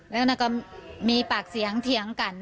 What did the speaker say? แล้วก็มีปากเสียงเถียงกัน